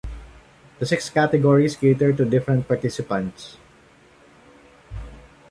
The six categories cater to different participants.